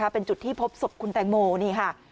เป็นจุดที่พบศพคุณแตงโมนี่ค่ะ